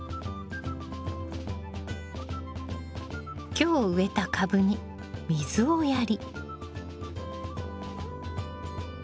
今日植えた株に水をやり。